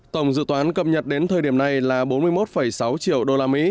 tổng dự toán cập nhật đến thời điểm này là bốn mươi một sáu triệu usd